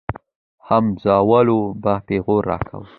همزولو به پيغور راکاوه.